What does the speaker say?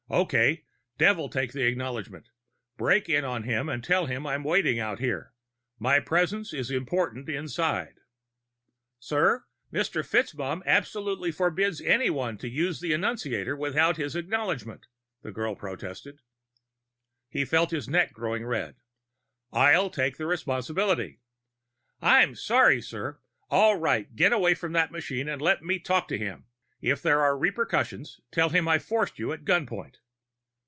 "Okay, devil take the acknowledgment. Break in on him and tell him I'm waiting out here. My presence is important inside." "Sir, Mr. FitzMaugham absolutely forbids anyone to use the annunciator without his acknowledgment," the girl protested. He felt his neck going red. "I'll take the responsibility." "I'm sorry, sir " "All right. Get away from that machine and let me talk to him. If there are repercussions, tell him I forced you at gunpoint."